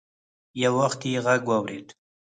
يو وخت يې غږ واورېد.